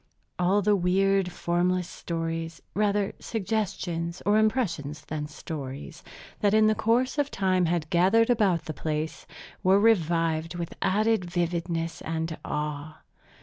All the weird, formless stories, rather suggestions or impressions than stories, that in the course of time had gathered about the place, were revived with added vividness and awe.